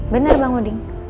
bener bang odin